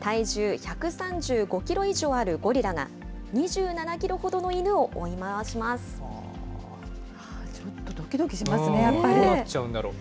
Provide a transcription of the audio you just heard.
体重１３５キロ以上あるゴリラが、２７キロほどの犬を追い回ちょっとどきどきしますね、どうなっちゃうんだろう。